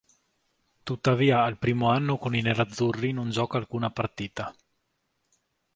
Tuttavia al primo anno con i nerazzurri non gioca alcuna partita.